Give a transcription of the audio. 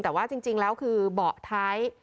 แต่ว่าจริงแล้วคือเบาะท้าย